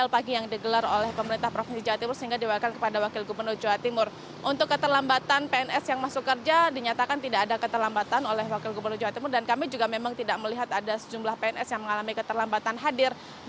pemprof jawa timur